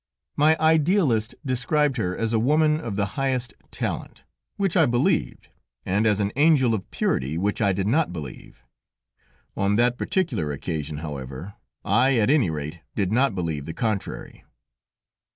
My idealist described her as a woman of the highest talent, which I believed, and as an angel of purity, which I did not believe; on that particular occasion, however, I at any rate did not believe the contrary.